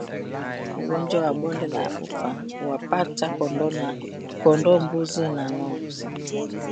Ugonjwa wa bonde la ufa huwapata kondoo mbuzi na ngombe